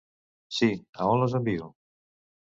Si, a on les envio?